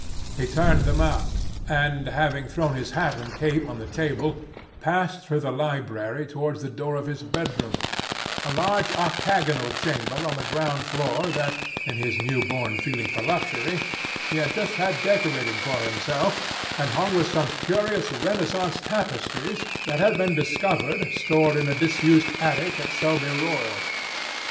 He turned them out and, having thrown his hat and cape on the table, passed through the library towards the door of his bedroom, a large octagonal chamber on the ground floor that, in his new born feeling for luxury, he had just had decorated for himself and hung with some curious Renaissance tapestries that had been discovered stored in a disused attic at Selby Royal.